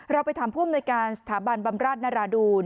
เราไปถามผ่วมโดยการสถาบันบำราชนราดูณ์